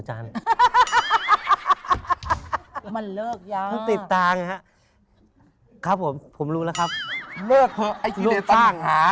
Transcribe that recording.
จานมันเลิกติดตาครับผมผมรู้แล้วครับเลิกเถอะไอ้ชีวิตต่างหา